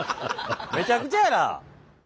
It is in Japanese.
めちゃくちゃやな。